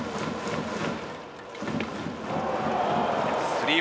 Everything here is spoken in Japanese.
スリー